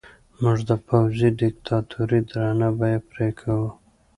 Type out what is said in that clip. موږ د پوځي دیکتاتورۍ درنه بیه پرې کوو.